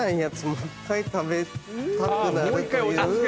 もう１回食べたくなるという。